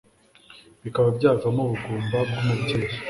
bikaba byavamo ubugumba bw'umubyeyi